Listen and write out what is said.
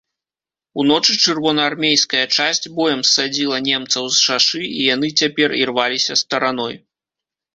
Уночы чырвонаармейская часць боем ссадзіла немцаў з шашы, і яны цяпер ірваліся стараной.